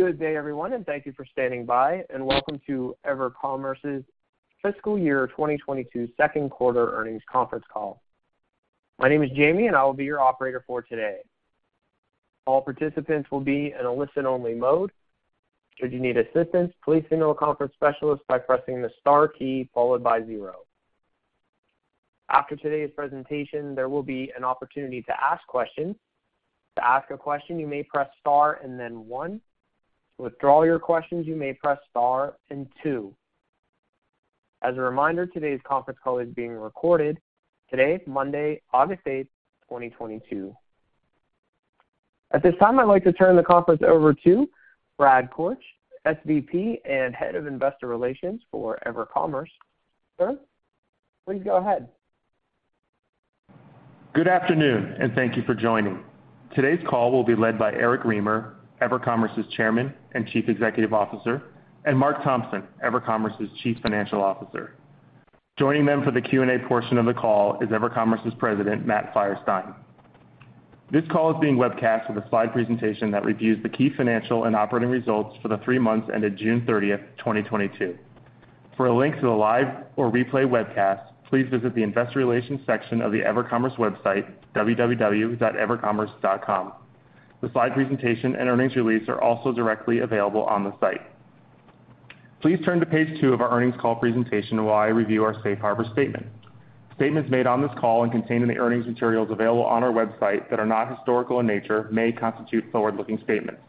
Good day, everyone, and thank you for standing by, and welcome to EverCommerce's fiscal year 2022 second quarter earnings conference call. My name is Jamie and I will be your operator for today. All participants will be in a listen only mode. Should you need assistance, please signal a conference specialist by pressing the star key followed by zero. After today's presentation, there will be an opportunity to ask questions. To ask a question, you may press star and then one. To withdraw your questions, you may press star and two. As a reminder, today's conference call is being recorded today, Monday, August 8, 2022. At this time, I'd like to turn the conference over to Brad Korch, SVP & Head of Investor Relations for EverCommerce. Sir, please go ahead. Good afternoon, and thank you for joining. Today's call will be led by Eric Remer, EverCommerce's Chairman and Chief Executive Officer, and Marc Thompson, EverCommerce's Chief Financial Officer. Joining them for the Q&A portion of the call is EverCommerce's President, Matt Feierstein. This call is being webcast with a slide presentation that reviews the key financial and operating results for the three months ended June 30, 2022. For a link to the live or replay webcast, please visit the Investor Relations section of the EverCommerce website, www.evercommerce.com. The slide presentation and earnings release are also directly available on the site. Please turn to page two of our earnings call presentation while I review our safe harbor statement. Statements made on this call and contained in the earnings materials available on our website that are not historical in nature may constitute forward-looking statements.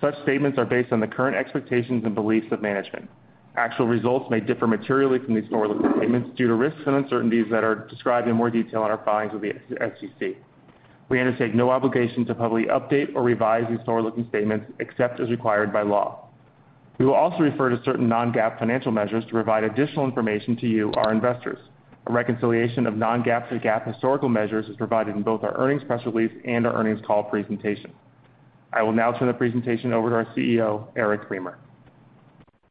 Such statements are based on the current expectations and beliefs of management. Actual results may differ materially from these forward-looking statements due to risks and uncertainties that are described in more detail on our filings with the SEC. We undertake no obligation to publicly update or revise these forward-looking statements except as required by law. We will also refer to certain Non-GAAP financial measures to provide additional information to you, our investors. A reconciliation of Non-GAAP to GAAP historical measures is provided in both our earnings press release and our earnings call presentation. I will now turn the presentation over to our CEO, Eric Remer.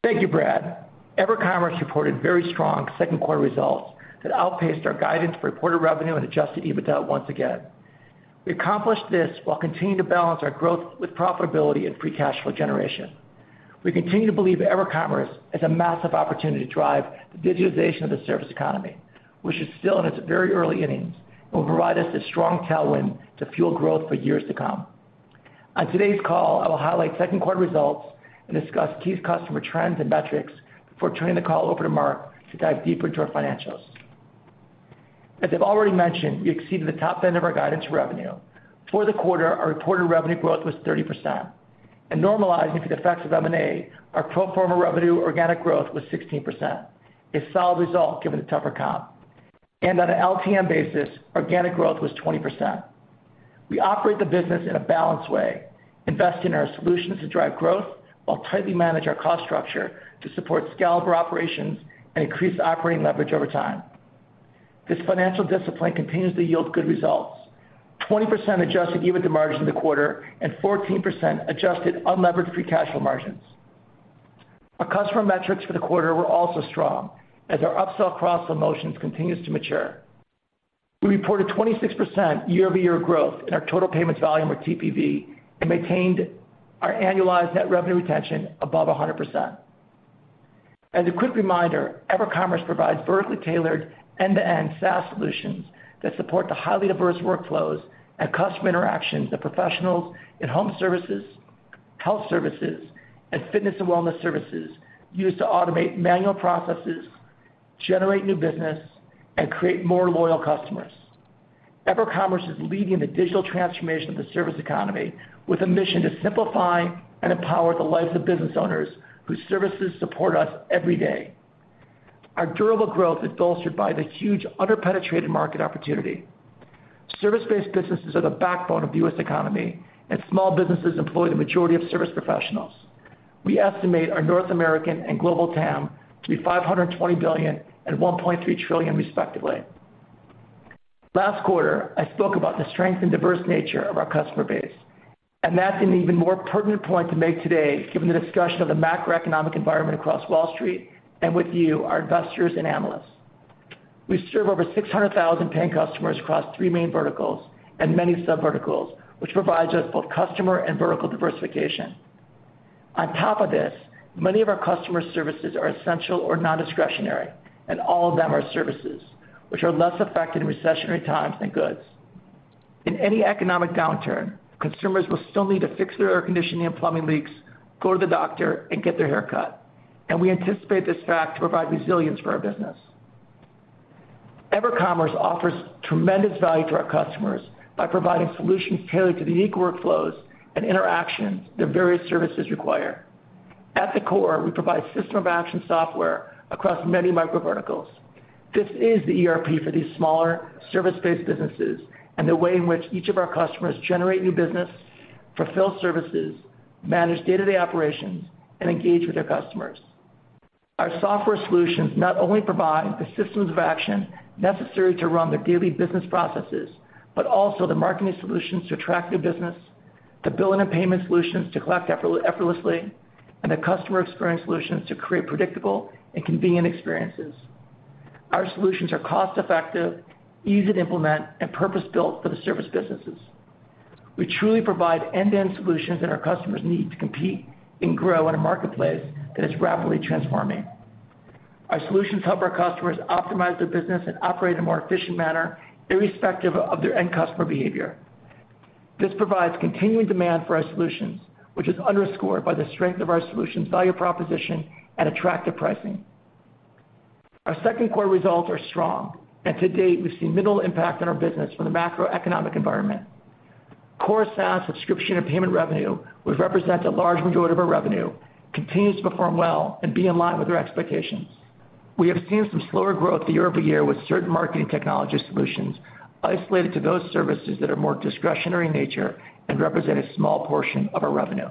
Thank you, Brad. EverCommerce reported very strong second quarter results that outpaced our guidance for reported revenue and Adjusted EBITDA once again. We accomplished this while continuing to balance our growth with profitability and free cash flow generation. We continue to believe EverCommerce is a massive opportunity to drive the digitization of the service economy, which is still in its very early innings, and will provide us a strong tailwind to fuel growth for years to come. On today's call, I will highlight second quarter results and discuss key customer trends and metrics before turning the call over to Marc to dive deeper into our financials. As I've already mentioned, we exceeded the top end of our guidance revenue. For the quarter, our reported revenue growth was 30%, and normalizing for the effects of M&A, our pro forma revenue organic growth was 16%. A solid result given the tougher comp. On an LTM basis, organic growth was 20%. We operate the business in a balanced way, investing in our solutions to drive growth while tightly manage our cost structure to support scale of our operations and increase operating leverage over time. This financial discipline continues to yield good results. 20% Adjusted EBITDA margin in the quarter and 14% adjusted unlevered free cash flow margins. Our customer metrics for the quarter were also strong as our upsell cross-sell motions continues to mature. We reported 26% year-over-year growth in our total payments volume or TPV, and maintained our annualized net revenue retention above 100%. As a quick reminder, EverCommerce provides vertically tailored end-to-end SaaS solutions that support the highly diverse workflows and customer interactions that professionals in home services, health services, and fitness and wellness services use to automate manual processes, generate new business, and create more loyal customers. EverCommerce is leading the digital transformation of the service economy with a mission to simplify and empower the lives of business owners whose services support us every day. Our durable growth is bolstered by the huge under-penetrated market opportunity. Service-based businesses are the backbone of the U.S. economy, and small businesses employ the majority of service professionals. We estimate our North American and global TAM to be $520 billion and $1.3 trillion, respectively. Last quarter, I spoke about the strength and diverse nature of our customer base, and that's an even more pertinent point to make today given the discussion of the macroeconomic environment across Wall Street and with you, our investors and Analysts. We serve over 600,000 paying customers across three main verticals and many sub verticals, which provides us both customer and vertical diversification. On top of this, many of our customer services are essential or non-discretionary, and all of them are services which are less affected in recessionary times than goods. In any economic downturn, consumers will still need to fix their air conditioning and plumbing leaks, go to the doctor, and get their hair cut, and we anticipate this fact to provide resilience for our business. EverCommerce offers tremendous value to our customers by providing solutions tailored to the unique workflows and interactions their various services require. At the core, we provide system of action software across many micro verticals. This is the ERP for these smaller service-based businesses, and the way in which each of our customers generate new business, fulfill services, manage day-to-day operations, and engage with their customers. Our software solutions not only provide the systems of action necessary to run their daily business processes, but also the marketing solutions to attract new business, the billing and payment solutions to collect effortlessly, and the customer experience solutions to create predictable and convenient experiences. Our solutions are cost-effective, easy to implement, and purpose-built for the service businesses. We truly provide end-to-end solutions that our customers need to compete and grow in a marketplace that is rapidly transforming. Our solutions help our customers optimize their business and operate in a more efficient manner, irrespective of their end customer behavior. This provides continuing demand for our solutions, which is underscored by the strength of our solutions' value proposition and attractive pricing. Our second quarter results are strong, and to date, we've seen little impact on our business from the macroeconomic environment. Core SaaS subscription and payment revenue, which represents a large majority of our revenue, continues to perform well and be in line with our expectations. We have seen some slower growth year-over-year with certain marketing technology solutions isolated to those services that are more discretionary in nature and represent a small portion of our revenue.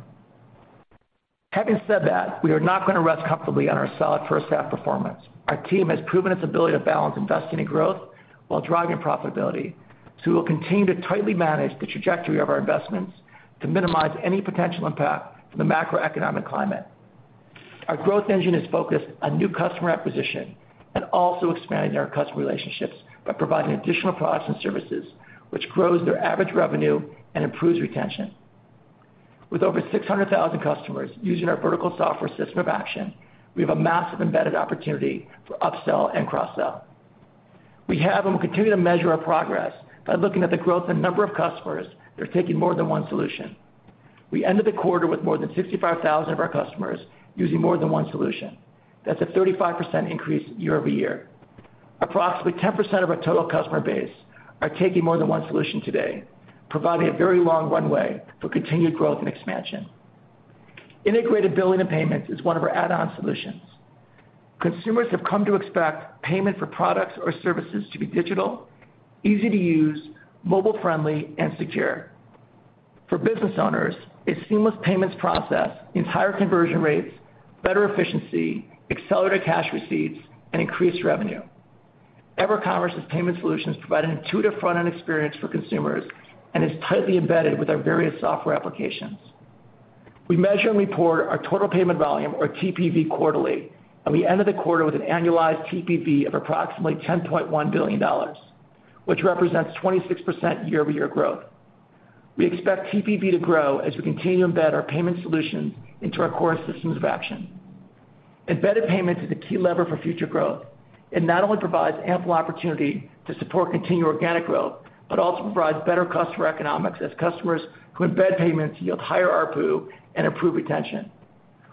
Having said that, we are not gonna rest comfortably on our solid first half performance. Our team has proven its ability to balance investing in growth while driving profitability, so we will continue to tightly manage the trajectory of our investments to minimize any potential impact from the macroeconomic climate. Our growth engine is focused on new customer acquisition and also expanding our customer relationships by providing additional products and services, which grows their average revenue and improves retention. With over 600,000 customers using our vertical software system of action, we have a massive embedded opportunity for upsell and cross-sell. We have and will continue to measure our progress by looking at the growth in number of customers that are taking more than one solution. We ended the quarter with more than 65,000 of our customers using more than one solution. That's a 35% increase year-over-year. Approximately 10% of our total customer base are taking more than one solution today, providing a very long runway for continued growth and expansion. Integrated billing and payments is one of our add-on solutions. Consumers have come to expect payment for products or services to be digital, easy to use, mobile-friendly, and secure. For business owners, a seamless payments process means higher conversion rates, better efficiency, accelerated cash receipts, and increased revenue. EverCommerce's payment solutions provide an intuitive front-end experience for consumers and is tightly embedded with our various software applications. We measure and report our total payment volume or TPV quarterly, and we ended the quarter with an annualized TPV of approximately $10.1 billion, which represents 26% year-over-year growth. We expect TPV to grow as we continue to embed our payment solutions into our core systems of action. Embedded payments is a key lever for future growth. It not only provides ample opportunity to support continued organic growth, but also provides better customer economics as customers who embed payments yield higher ARPU and improve retention.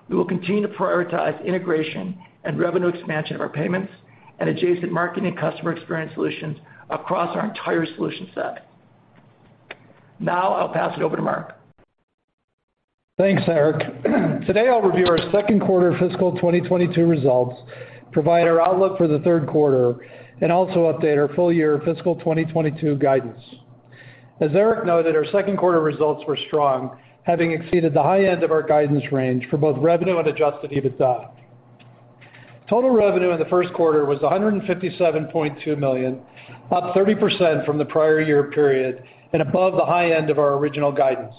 We will continue to prioritize integration and revenue expansion of our payments and adjacent marketing and customer experience solutions across our entire solution set. Now, I'll pass it over to Marc. Thanks, Eric. Today, I'll review our second quarter fiscal 2022 results, provide our outlook for the third quarter, and also update our full year fiscal 2022 guidance. As Eric noted, our second quarter results were strong, having exceeded the high end of our guidance range for both revenue and Adjusted EBITDA. Total revenue in the second quarter was $157.2 million, up 30% from the prior year period and above the high end of our original guidance.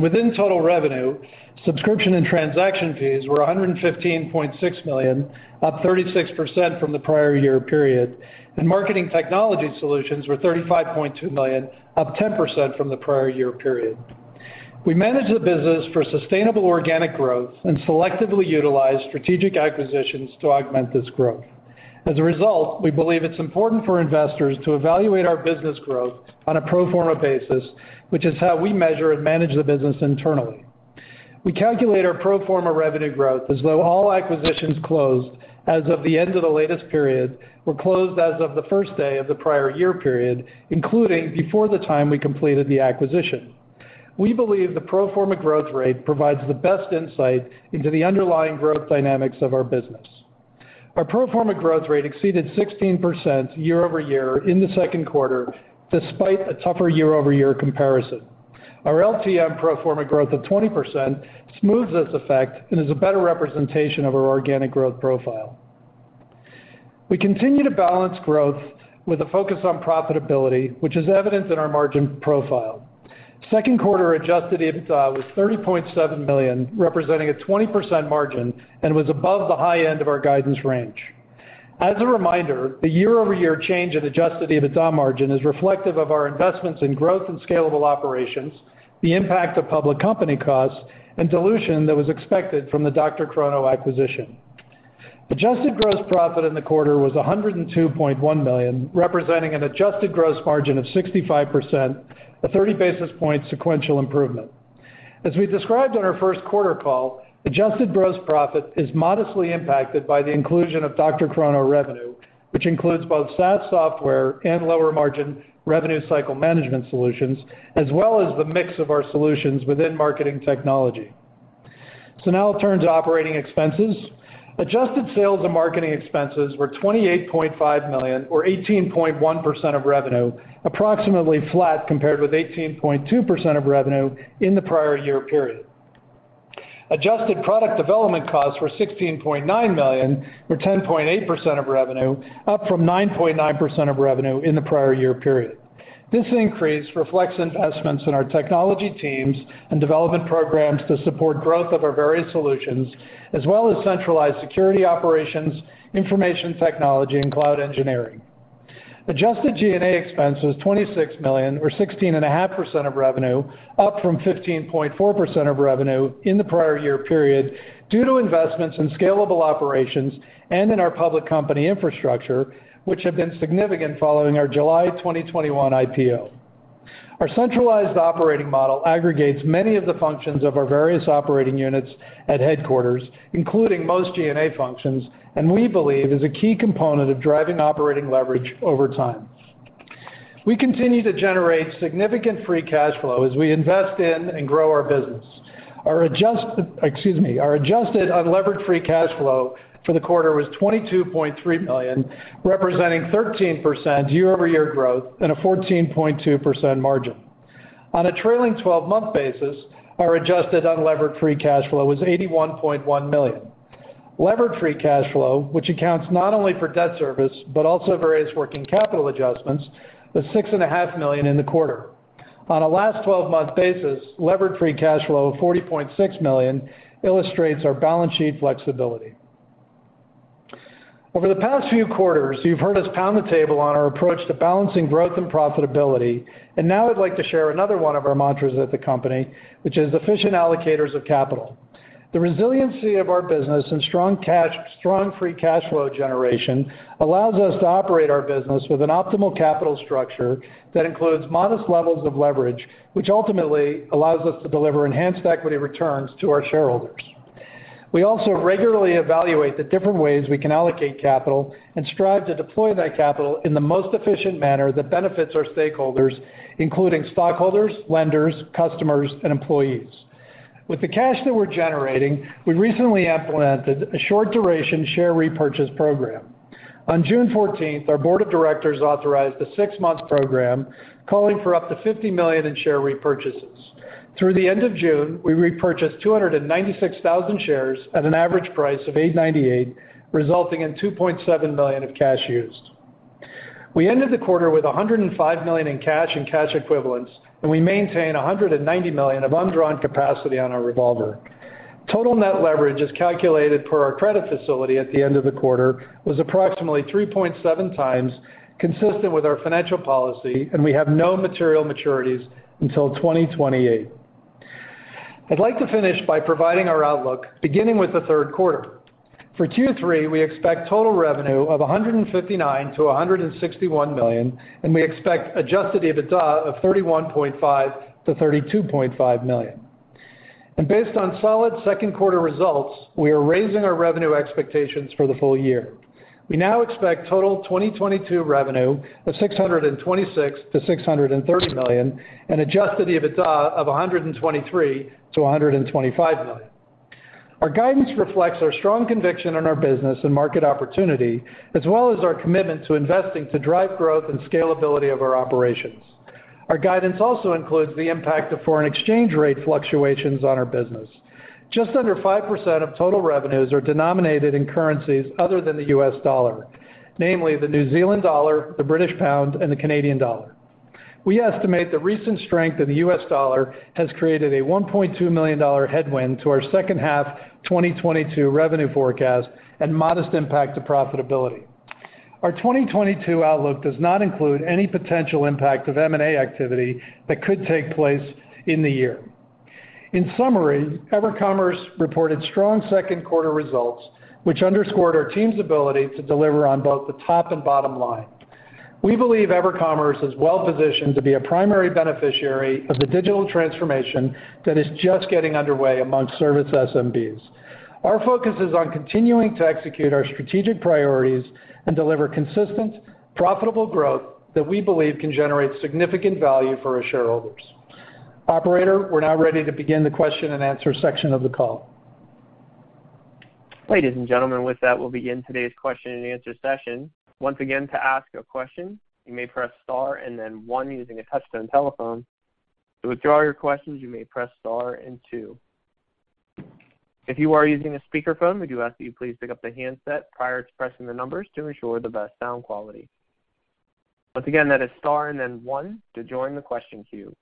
Within total revenue, subscription and transaction fees were $115.6 million, up 36% from the prior year period, and marketing technology solutions were $35.2 million, up 10% from the prior year period. We manage the business for sustainable organic growth and selectively utilize strategic acquisitions to augment this growth. As a result, we believe it's important for investors to evaluate our business growth on a pro forma basis, which is how we measure and manage the business internally. We calculate our pro forma revenue growth as though all acquisitions closed as of the end of the latest period were closed as of the first day of the prior year period, including before the time we completed the acquisition. We believe the pro forma growth rate provides the best insight into the underlying growth dynamics of our business. Our pro forma growth rate exceeded 16% year-over-year in the second quarter, despite a tougher year-over-year comparison. Our LTM pro forma growth of 20% smooths this effect and is a better representation of our organic growth profile. We continue to balance growth with a focus on profitability, which is evident in our margin profile. Second quarter Adjusted EBITDA was $30.7 million, representing a 20% margin, and was above the high end of our guidance range. As a reminder, the year-over-year change in Adjusted EBITDA margin is reflective of our investments in growth and scalable operations, the impact of public company costs, and dilution that was expected from the DrChrono acquisition. Adjusted gross profit in the quarter was $102.1 million, representing an adjusted gross margin of 65%, a 30 basis point sequential improvement. As we described on our first quarter call, adjusted gross profit is modestly impacted by the inclusion of DrChrono revenue, which includes both SaaS software and lower margin revenue cycle management solutions, as well as the mix of our solutions within marketing technology. Now in terms of operating expenses. Adjusted sales and marketing expenses were $28.5 million or 18.1% of revenue, approximately flat compared with 18.2% of revenue in the prior year period. Adjusted product development costs were $16.9 million or 10.8% of revenue, up from 9.9% of revenue in the prior year period. This increase reflects investments in our technology teams and development programs to support growth of our various solutions, as well as centralized security operations, information technology, and cloud engineering. Adjusted G&A expenses, $26 million or 16.5% of revenue, up from 15.4% of revenue in the prior year period due to investments in scalable operations and in our public company infrastructure, which have been significant following our July 2021 IPO. Our centralized operating model aggregates many of the functions of our various operating units at headquarters, including most G&A functions, and we believe is a key component of driving operating leverage over time. We continue to generate significant free cash flow as we invest in and grow our business. Our adjusted unlevered free cash flow for the quarter was $22.3 million, representing 13% year-over-year growth and a 14.2% margin. On a trailing twelve-month basis, our adjusted unlevered free cash flow was $81.1 million. Levered free cash flow, which accounts not only for debt service, but also various working capital adjustments, was $6.5 million in the quarter. On a last twelve-month basis, levered free cash flow of $40.6 million illustrates our balance sheet flexibility. Over the past few quarters, you've heard us pound the table on our approach to balancing growth and profitability, and now I'd like to share another one of our mantras at the company, which is efficient allocators of capital. The resiliency of our business and strong free cash flow generation allows us to operate our business with an optimal capital structure that includes modest levels of leverage, which ultimately allows us to deliver enhanced equity returns to our shareholders. We also regularly evaluate the different ways we can allocate capital and strive to deploy that capital in the most efficient manner that benefits our stakeholders, including stockholders, lenders, customers, and employees. With the cash that we're generating, we recently implemented a short duration share repurchase program. On June fourteenth, our board of directors authorized a six-month program calling for up to $50 million in share repurchases. Through the end of June, we repurchased 296,000 shares at an average price of $8.98, resulting in $2.7 million of cash used. We ended the quarter with $105 million in cash and cash equivalents, and we maintain $190 million of undrawn capacity on our revolver. Total net leverage, as calculated per our credit facility at the end of the quarter, was approximately 3.7x, consistent with our financial policy, and we have no material maturities until 2028. I'd like to finish by providing our outlook, beginning with the third quarter. For Q3, we expect total revenue of $159 million-$161 million, and we expect Adjusted EBITDA of $31.5 million-$32.5 million. Based on solid second quarter results, we are raising our revenue expectations for the full year. We now expect total 2022 revenue of $626 million-$630 million and Adjusted EBITDA of $123 million-$125 million. Our guidance reflects our strong conviction in our business and market opportunity, as well as our commitment to investing to drive growth and scalability of our operations. Our guidance also includes the impact of foreign exchange rate fluctuations on our business. Just under 5% of total revenues are denominated in currencies other than the U.S. dollar, namely the New Zealand dollar, the British pound, and the Canadian dollar. We estimate the recent strength of the U.S. dollar has created a $1.2 million headwind to our second half 2022 revenue forecast and modest impact to profitability. Our 2022 outlook does not include any potential impact of M&A activity that could take place in the year. In summary, EverCommerce reported strong second quarter results, which underscored our team's ability to deliver on both the top and bottom line. We believe EverCommerce is well-positioned to be a primary beneficiary of the digital transformation that is just getting underway among service SMBs. Our focus is on continuing to execute our strategic priorities and deliver consistent, profitable growth that we believe can generate significant value for our shareholders. Operator, we're now ready to begin the question and answer section of the call. Ladies and gentlemen, with that, we'll begin today's question and answer session. Once again, to ask a question, you may press star and then one using a touch-tone telephone. To withdraw your questions, you may press star and two. If you are using a speakerphone, we do ask that you please pick up the handset prior to pressing the numbers to ensure the best sound quality. Once again, that is star and then one to join the question queue.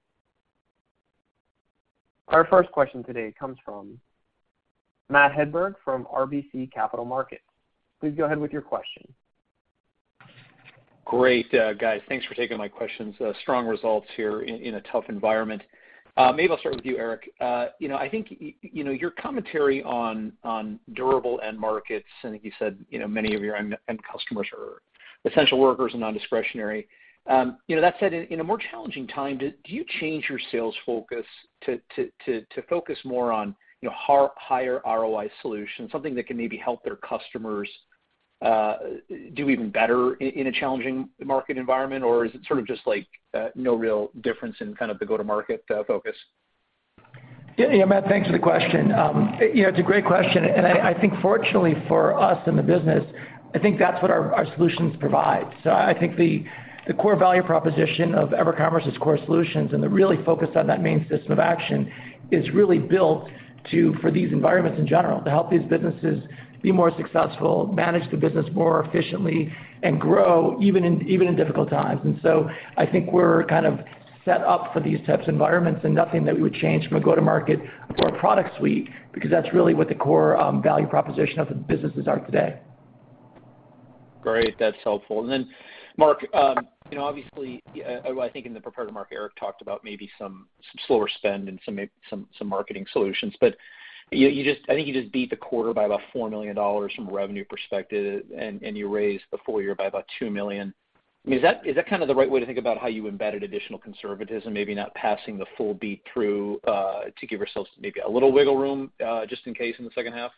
Our first question today comes from Matt Hedberg from RBC Capital Markets. Please go ahead with your question. Great, guys. Thanks for taking my questions. Strong results here in a tough environment. Maybe I'll start with you, Eric. You know, I think you know, your commentary on durable end markets, I think you said, you know, many of your end customers are essential workers and non-discretionary. You know, that said, in a more challenging time, do you change your sales focus to focus more on, you know, higher ROI solutions, something that can maybe help their customers do even better in a challenging market environment? Or is it sort of just like no real difference in kind of the go-to-market focus? Yeah, Matt, thanks for the question. You know, it's a great question, and I think fortunately for us in the business, I think that's what our solutions provide. I think the core value proposition of EverCommerce's core solutions and the really focus on that main system of action is really built to for these environments in general, to help these businesses be more successful, manage the business more efficiently, and grow even in difficult times. I think we're kind of set up for these types of environments and nothing that we would change from a go-to-market or a product suite, because that's really what the core value proposition of the businesses are today. Great. That's helpful. Marc, you know, obviously, well, I think in the prepared remarks, Eric talked about maybe some slower spend and some marketing solutions. You just beat the quarter by about $4 million from a revenue perspective, and you raised the full year by about $2 million. I mean, is that kind of the right way to think about how you embedded additional conservatism, maybe not passing the full beat through, to give yourselves maybe a little wiggle room, just in case in the second half?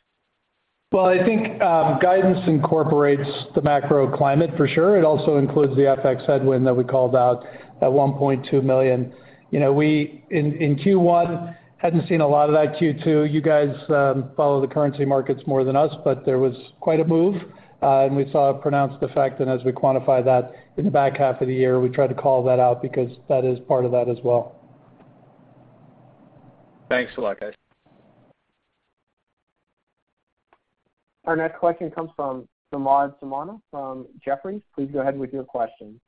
Well, I think, guidance incorporates the macro climate for sure. It also includes the FX headwind that we called out at $1.2 million. You know, we, in Q1 hadn't seen a lot of that in Q2. You guys, follow the currency markets more than us, but there was quite a move, and we saw a pronounced effect. As we quantify that in the back half of the year, we tried to call that out because that is part of that as well. Thanks a lot, guys. Our next question comes from Bhavin Shah from Jefferies. Please go ahead with your question.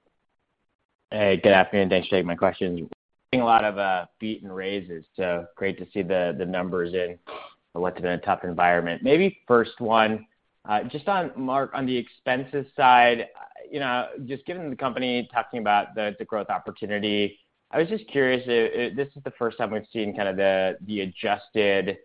Hey, good afternoon. Thanks for taking my question. Seeing a lot of beat and raises, so great to see the numbers in what's been a tough environment. Maybe first one, just on Marc, on the expenses side, you know, just given the company talking about the growth opportunity, I was just curious, this is the first time we've seen kind of the adjusted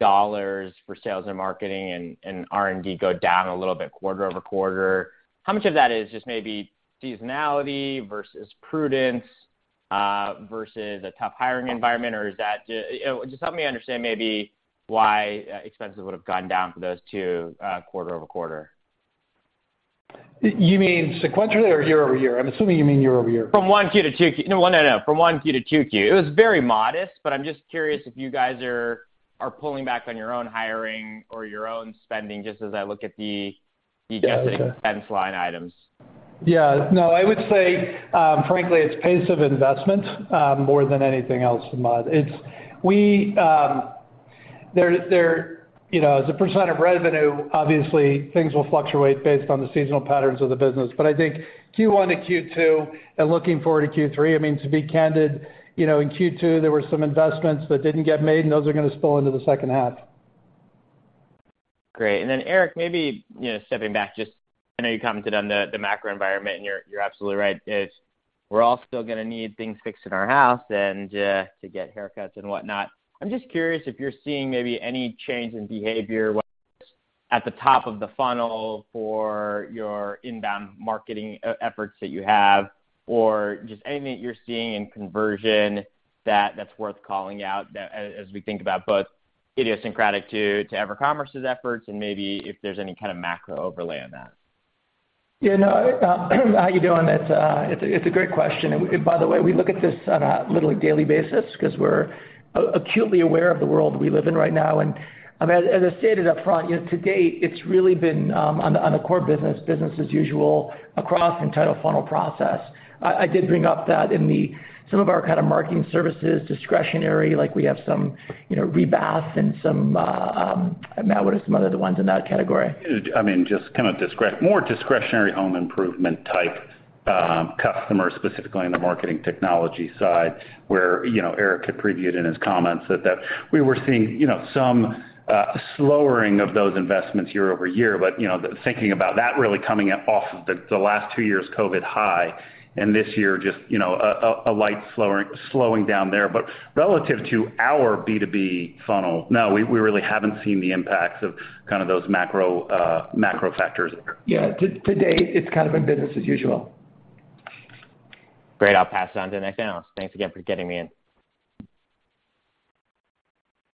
dollars for sales and marketing and R&D go down a little bit quarter-over-quarter. How much of that is just maybe seasonality versus prudence versus a tough hiring environment? Or is that just help me understand maybe why expenses would have gone down for those two quarter-over-quarter. You mean sequentially or year-over-year? I'm assuming you mean year-over-year. From 1Q to 2Q. It was very modest, but I'm just curious if you guys are pulling back on your own hiring or your own spending, just as I look at the- Yeah. Okay the adjusted expense line items. Yeah. No, I would say, frankly, it's pace of investment, more than anything else, Bhavin. You know, as a % of revenue, obviously things will fluctuate based on the seasonal patterns of the business. I think Q1 to Q2 and looking forward to Q3, I mean, to be candid, you know, in Q2, there were some investments that didn't get made, and those are gonna spill into the second half. Great. Then Eric, maybe, you know, stepping back just, I know you commented on the macro environment, and you're absolutely right. We're all still gonna need things fixed in our house and to get haircuts and whatnot. I'm just curious if you're seeing maybe any change in behavior, whether it's at the top of the funnel for your inbound marketing efforts that you have, or just anything that you're seeing in conversion that's worth calling out as we think about both idiosyncratic to EverCommerce's efforts and maybe if there's any kind of macro overlay on that. Yeah, no. How you doing? It's a great question. By the way, we look at this on a literally daily basis 'cause we're acutely aware of the world we live in right now. I mean, as I stated upfront, you know, to date, it's really been on the core business as usual across the entire funnel process. I did bring up that in some of our kind of marketing services, discretionary, like we have some, you know, Re-Bath and some, Matt, what are some other ones in that category? I mean, just kind of more discretionary home improvement type customers, specifically on the marketing technology side, where you know, Eric had previewed in his comments that we were seeing you know, some slowing of those investments year-over-year. You know, thinking about that really coming off of the last two years COVID high, and this year just you know, a light slowing down there. Relative to our B2B funnel, no, we really haven't seen the impacts of kind of those macro factors. Yeah. To date, it's kind of been business as usual. Great. I'll pass it on to the next Analyst. Thanks again for getting me in. Thank you.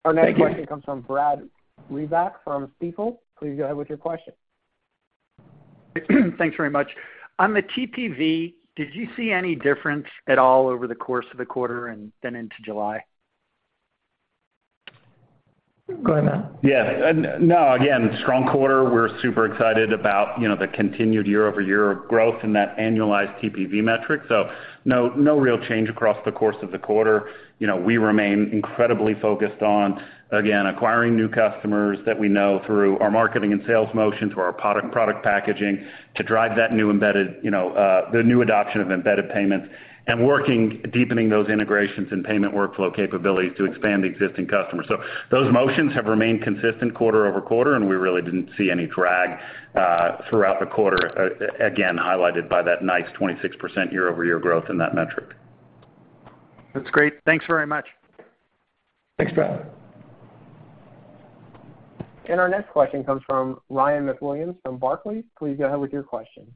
Our next question comes from Brad Reback from Stifel. Please go ahead with your question. Thanks very much. On the TPV, did you see any difference at all over the course of the quarter and then into July? Go ahead, Matt. Yeah. No, again, strong quarter. We're super excited about, you know, the continued year-over-year growth in that annualized TPV metric. No real change across the course of the quarter. You know, we remain incredibly focused on, again, acquiring new customers that we know through our marketing and sales motions or our product packaging to drive that new embedded, you know, the new adoption of embedded payments, and deepening those integrations and payment workflow capabilities to expand existing customers. Those motions have remained consistent quarter-over-quarter, and we really didn't see any drag throughout the quarter, again, highlighted by that nice 26% year-over-year growth in that metric. That's great. Thanks very much. Thanks, Brad. Our next question comes from Ryan Siurek from Barclays. Please go ahead with your question.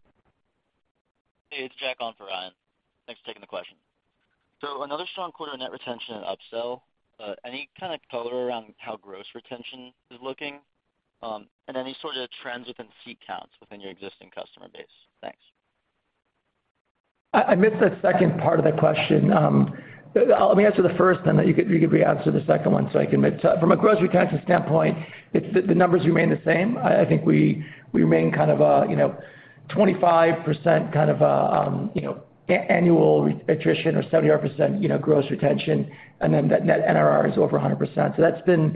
Hey, it's Jack on for Ryan. Thanks for taking the question. Another strong quarter net retention upsell. Any kind of color around how gross retention is looking? And any sort of trends within seat counts within your existing customer base? Thanks. I missed the second part of the question. Let me answer the first one, then you can re-answer the second one, so I can make sure. From a gross retention standpoint, it's the numbers remain the same. I think we remain kind of a, you know, 25% kind of a, you know, annual attrition or 75%, you know, gross retention, and then that net NRR is over 100%. So that's been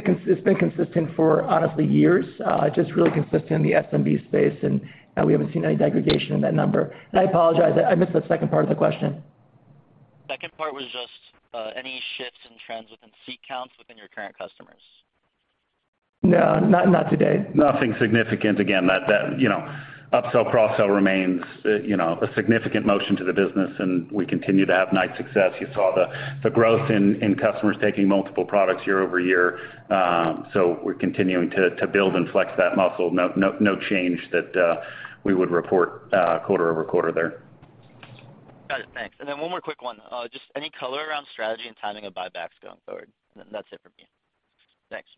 consistent for, honestly, years. It's just really consistent in the SMB space, and we haven't seen any degradation in that number. I apologize, I missed the second part of the question. Second part was just any shifts in trends within seat counts within your current customers? No, not today. Nothing significant. Again, that, you know, upsell, cross-sell remains, you know, a significant portion of the business, and we continue to have nice success. You saw the growth in customers taking multiple products year-over-year. We're continuing to build and flex that muscle. No change that we would report quarter-over-quarter there. Got it. Thanks. One more quick one. Just any color around strategy and timing of buybacks going forward? That's it for me. Thanks.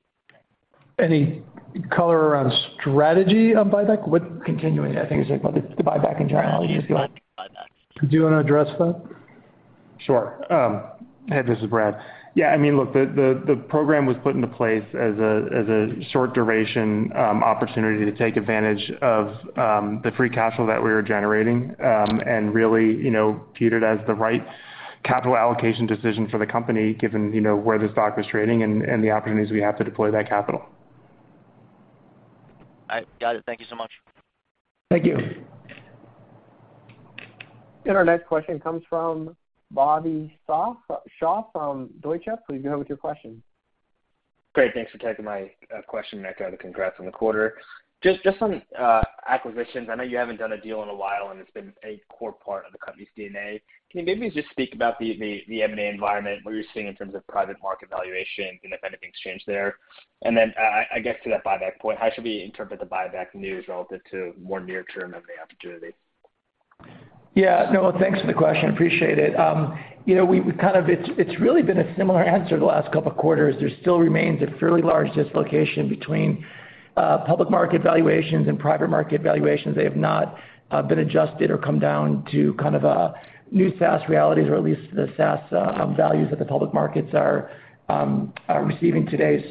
Any color around strategy on buyback? Continuing, I think he's saying about the buyback in general. Buybacks. Do you wanna address that? Sure. Hey, this is Brad. Yeah, I mean, look, the program was put into place as a short duration opportunity to take advantage of the free cash flow that we were generating, and really, you know, viewed it as the right capital allocation decision for the company given, you know, where the stock was trading and the opportunities we have to deploy that capital. Got it. Thank you so much. Thank you. Our next question comes from Bhavin Shah from Jefferies. Please go ahead with your question. Great. Thanks for taking my question, and echo the congrats on the quarter. Just on acquisitions, I know you haven't done a deal in a while, and it's been a core part of the company's DNA. Can you maybe just speak about the M&A environment, what you're seeing in terms of private market valuations and if anything's changed there? And then I guess to that buyback point, how should we interpret the buyback news relative to more near-term M&A opportunities? Yeah. No, thanks for the question, appreciate it. You know, it's really been a similar answer the last couple of quarters. There still remains a fairly large dislocation between public market valuations and private market valuations. They have not been adjusted or come down to kind of a new SaaS realities, or at least the SaaS values that the public markets are receiving today.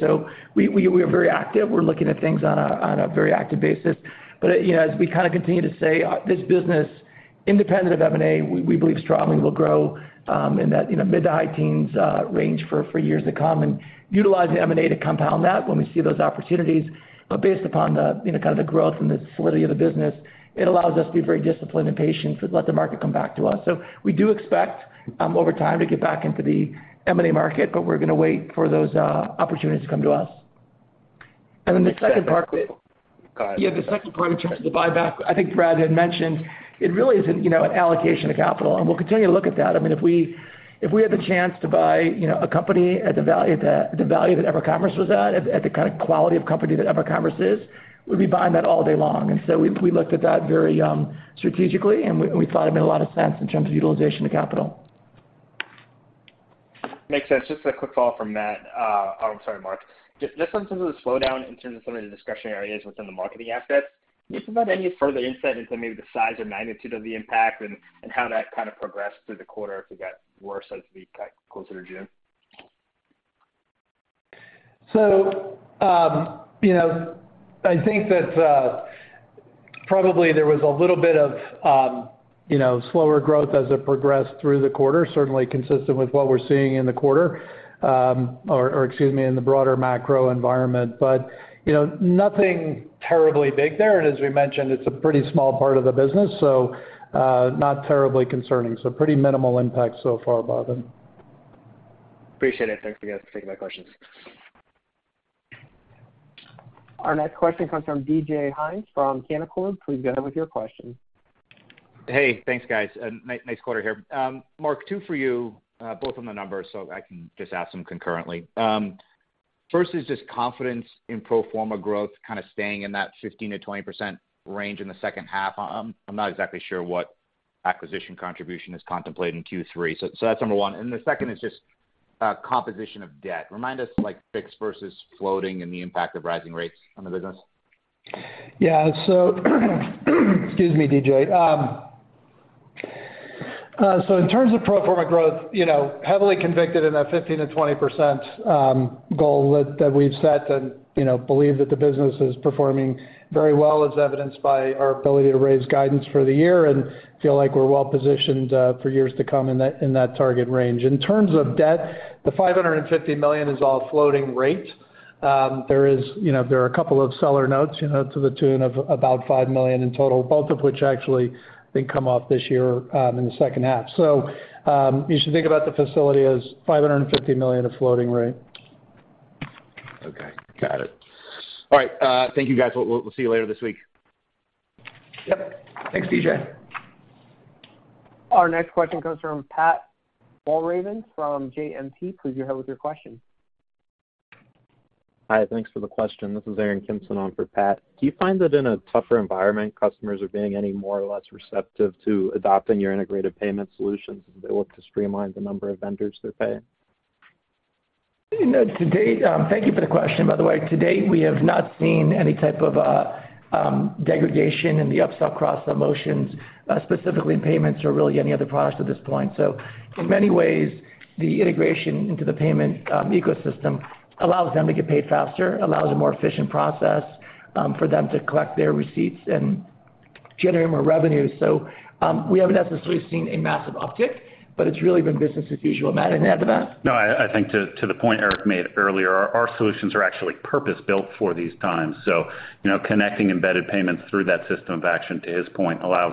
We're very active. We're looking at things on a very active basis. You know, as we kind of continue to say, this business, independent of M&A, we believe strongly will grow in that mid- to high-teens range for years to come and utilize the M&A to compound that when we see those opportunities. Based upon the, you know, kind of the growth and the solidity of the business, it allows us to be very disciplined and patient to let the market come back to us. We do expect over time to get back into the M&A market, but we're gonna wait for those opportunities to come to us. Then the second part. Got it. Yeah, the second part in terms of the buyback, I think Brad had mentioned it really is, you know, an allocation of capital, and we'll continue to look at that. I mean, if we had the chance to buy, you know, a company at the value that EverCommerce was at the kind of quality of company that EverCommerce is, we'd be buying that all day long. We looked at that very strategically, and we thought it made a lot of sense in terms of utilization of capital. Makes sense. Just a quick follow-up from Marc. Just on some of the slowdown in terms of some of the discretionary areas within the marketing assets. Can you provide any further insight into maybe the size or magnitude of the impact and how that kind of progressed through the quarter if it got worse as we got closer to June? You know, I think that probably there was a little bit of you know, slower growth as it progressed through the quarter, certainly consistent with what we're seeing in the quarter, or excuse me, in the broader macro environment. You know, nothing terribly big there. As we mentioned, it's a pretty small part of the business, so not terribly concerning. Pretty minimal impact so far, Bhavin. Appreciate it. Thanks, guys, for taking my questions. Our next question comes from DJ Hynes from Canaccord. Please go ahead with your question. Hey, thanks, guys. Nice quarter here. Marc, two for you, both on the numbers, so I can just ask them concurrently. First is just confidence in pro forma growth kind of staying in that 15%-20% range in the second half. I'm not exactly sure what acquisition contribution is contemplated in Q3. So that's number one. The second is just composition of debt. Remind us like fixed versus floating and the impact of rising rates on the business. Yeah. Excuse me, DJ. In terms of pro forma growth, you know, heavily convinced in that 15%-20% goal that we've set and, you know, believe that the business is performing very well, as evidenced by our ability to raise guidance for the year and feel like we're well-positioned for years to come in that target range. In terms of debt, the $550 million is all floating rate. You know, there are a couple of seller notes, you know, to the tune of about $5 million in total, both of which actually I think come off this year in the second half. You should think about the facility as $550 million of floating rate. Okay. Got it. All right. Thank you guys. We'll see you later this week. Yep. Thanks, DJ. Our next question comes from Pat Walravens from JMP. Please go ahead with your question. Hi. Thanks for the question. This is Aaron Kimson signing on for Pat. Do you find that in a tougher environment, customers are being any more or less receptive to adopting your integrated payment solutions as they look to streamline the number of vendors they're paying? You know, to date. Thank you for the question, by the way. To date, we have not seen any type of degradation in the upsell cross-sell motions, specifically in payments or really any other products at this point. In many ways, the integration into the payment ecosystem allows them to get paid faster, allows a more efficient process for them to collect their receipts and generate more revenues. We haven't necessarily seen a massive uptick, but it's really been business as usual. Matt, anything to add to that? No, I think to the point Eric made earlier, our solutions are actually purpose-built for these times. You know, connecting embedded payments through that system of action, to his point, allows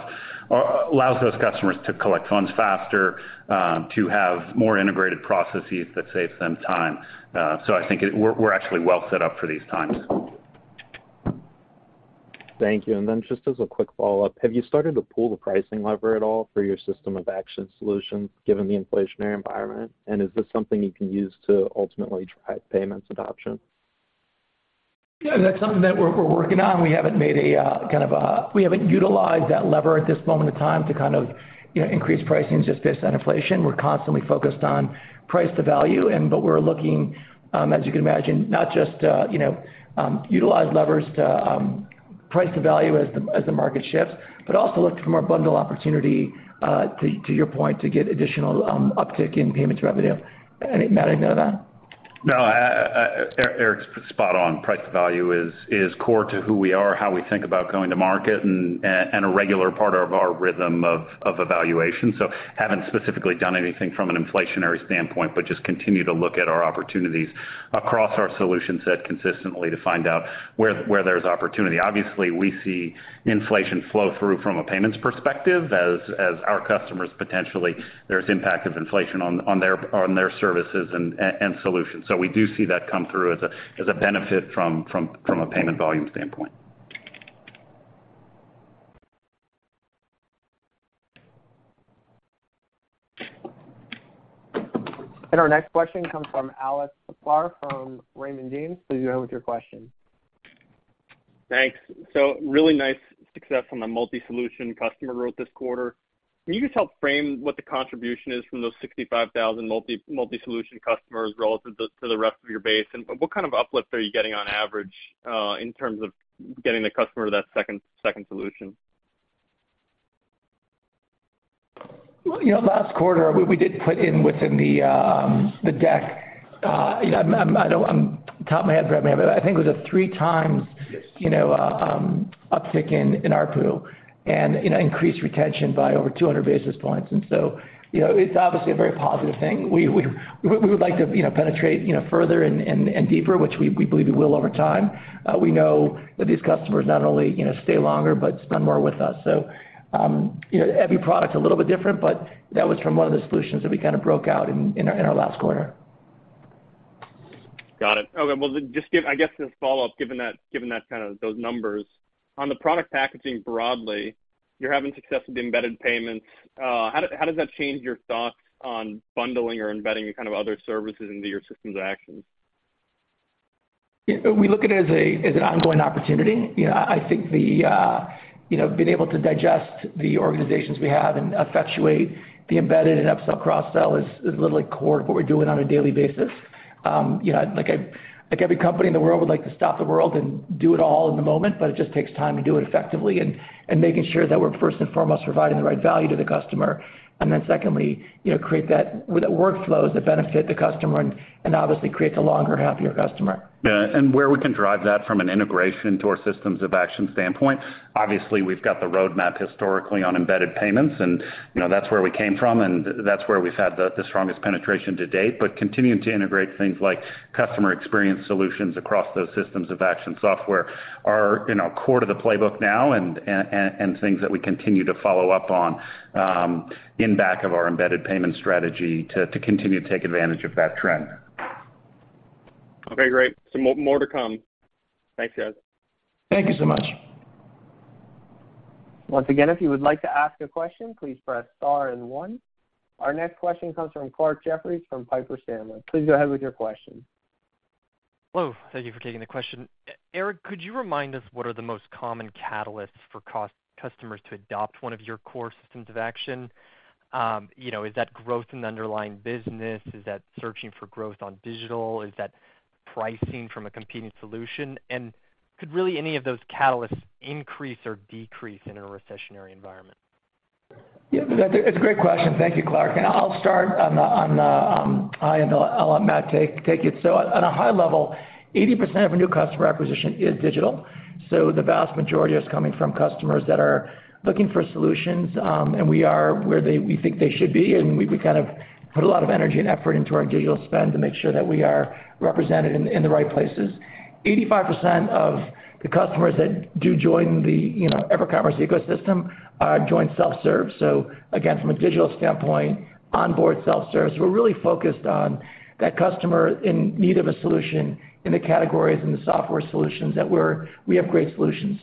those customers to collect funds faster, to have more integrated processes that saves them time. So I think we're actually well set up for these times. Thank you. Just as a quick follow-up, have you started to pull the pricing lever at all for your system of action solutions given the inflationary environment? Is this something you can use to ultimately drive payments adoption? Yeah, that's something that we're working on. We haven't utilized that lever at this moment in time to kind of, you know, increase pricing just based on inflation. We're constantly focused on price to value and, but we're looking, as you can imagine, not just utilize levers to price to value as the market shifts, but also look for more bundle opportunity, to your point, to get additional uptick in payments revenue. Matt, anything to add to that? No, Eric's spot on. Price to value is core to who we are, how we think about going to market and a regular part of our rhythm of evaluation. Haven't specifically done anything from an inflationary standpoint, but just continue to look at our opportunities across our solution set consistently to find out where there's opportunity. Obviously, we see inflation flow through from a payments perspective as our customers, potentially, there's impact of inflation on their services and solutions. We do see that come through as a benefit from a payment volume standpoint. Our next question comes from Alex Sklar from Raymond James. Please go ahead with your question. Thanks. Really nice success on the multi-solution customer route this quarter. Can you just help frame what the contribution is from those 65,000 multi-solution customers relative to the rest of your base? And what kind of uplift are you getting on average in terms of getting the customer to that second solution? Well, you know, last quarter, we did put it in the deck, you know, off the top of my head, but I think it was a 3x- Yes You know, uptick in ARPU and increased retention by over 200 basis points. You know, it's obviously a very positive thing. We would like to penetrate further and deeper, which we believe we will over time. We know that these customers not only stay longer, but spend more with us. You know, every product's a little bit different, but that was from one of the solutions that we kind of broke out in our last quarter. Got it. Okay. Well, just give, I guess, as a follow-up, given that kind of those numbers, on the product packaging broadly, you're having success with the embedded payments. How does that change your thoughts on bundling or embedding kind of other services into your system of action? We look at it as an ongoing opportunity. You know, I think, you know, being able to digest the organizations we have and effectuate the embedded and upsell, cross-sell is literally core to what we're doing on a daily basis. You know, like every company in the world would like to stop the world and do it all in the moment, but it just takes time to do it effectively and making sure that we're first and foremost providing the right value to the customer. Then secondly, you know, create the workflows that benefit the customer and obviously creates a longer, happier customer. Yeah. Where we can drive that from an integration to our systems of action standpoint, obviously, we've got the roadmap historically on embedded payments and, you know, that's where we came from, and that's where we've had the strongest penetration to date. Continuing to integrate things like customer experience solutions across those systems of action software are, you know, core to the playbook now and things that we continue to follow up on in back of our embedded payment strategy to continue to take advantage of that trend. Okay, great. More to come. Thanks, guys. Thank you so much. Once again, if you would like to ask a question, please press Star and One. Our next question comes from Clarke Jeffries from Piper Sandler. Please go ahead with your question. Hello. Thank you for taking the question. Eric, could you remind us what are the most common catalysts for customers to adopt one of your core systems of action? You know, is that growth in the underlying business? Is that searching for growth on digital? Is that pricing from a competing solution? Could really any of those catalysts increase or decrease in a recessionary environment? Yeah, that's a great question. Thank you, Clarke. I'll start on the high end. I'll let Matt take it. At a high level, 80% of our new customer acquisition is digital. The vast majority is coming from customers that are looking for solutions, and we are where they, we think they should be, and we kind of put a lot of energy and effort into our digital spend to make sure that we are represented in the right places. 85% of the customers that do join the EverCommerce ecosystem join self-serve. Again, from a digital standpoint, onboard self-service, we're really focused on that customer in need of a solution in the categories and the software solutions that we have great solutions.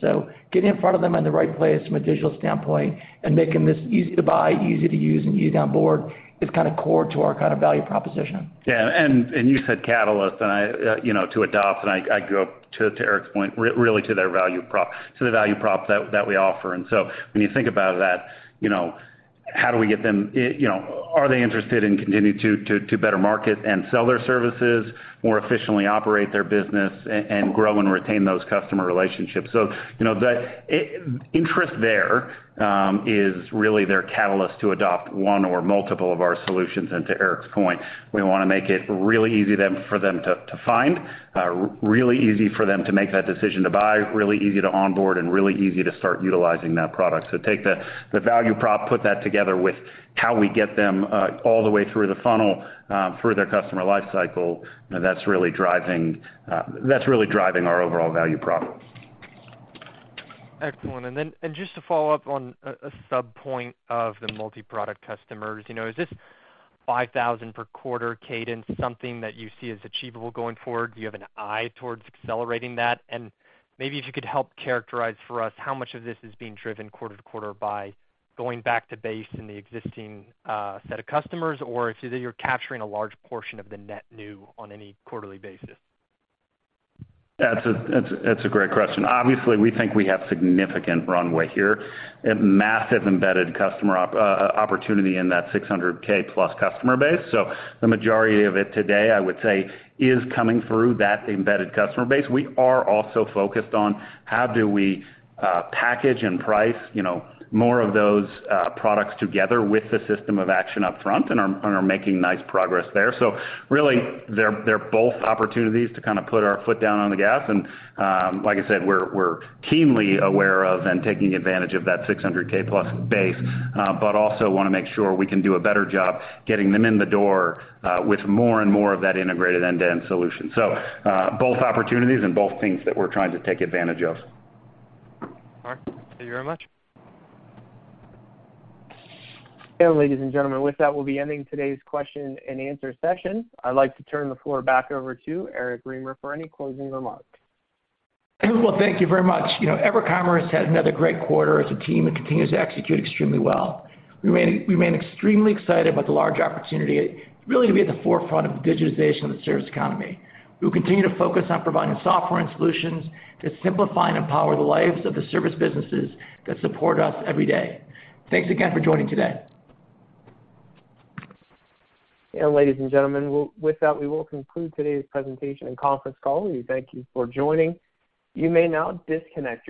Getting in front of them in the right place from a digital standpoint and making this easy to buy, easy to use, and easy to onboard is kinda core to our kinda value proposition. Yeah. You said catalyst and I you know to adopt and I go up to Eric's point, really to their value prop to the value prop that we offer. When you think about that, you know, how do we get them, you know, are they interested in continuing to better market and sell their services more efficiently operate their business and grow and retain those customer relationships? You know, the interest there is really their catalyst to adopt one or multiple of our solutions. To Eric's point, we wanna make it really easy for them to find, really easy for them to make that decision to buy, really easy to onboard, and really easy to start utilizing that product. Take the value prop, put that together with how we get them all the way through the funnel, through their customer life cycle. Now that's really driving our overall value prop. Excellent. Then just to follow up on a sub point of the multiproduct customers, you know, is this 5,000 per quarter cadence something that you see as achievable going forward? Do you have an eye towards accelerating that? Maybe if you could help characterize for us how much of this is being driven quarter to quarter by going back to base in the existing set of customers or if you're capturing a large portion of the net new on any quarterly basis. That's a great question. Obviously, we think we have significant runway here. A massive embedded customer opportunity in that 600k+ customer base. The majority of it today, I would say, is coming through that embedded customer base. We are also focused on how we package and price, you know, more of those products together with the system of action upfront and are making nice progress there. Really they're both opportunities to kind of put our foot down on the gas and, like I said, we're keenly aware of and taking advantage of that 600k+ base, but also want to make sure we can do a better job getting them in the door with more and more of that integrated end-to-end solution. Both opportunities and both things that we're trying to take advantage of. All right. Thank you very much. Ladies and gentlemen, with that, we'll be ending today's question and answer session. I'd like to turn the floor back over to Eric Remer for any closing remarks. Well, thank you very much. You know, EverCommerce had another great quarter as a team and continues to execute extremely well. We remain extremely excited about the large opportunity really to be at the forefront of the digitization of the service economy. We'll continue to focus on providing software and solutions to simplify and empower the lives of the service businesses that support us every day. Thanks again for joining today. Ladies and gentlemen, with that, we will conclude today's presentation and conference call. We thank you for joining. You may now disconnect your lines.